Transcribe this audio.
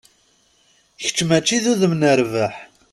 Kečč, mačči d udem n rrbeḥ.